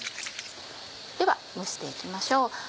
では蒸して行きましょう。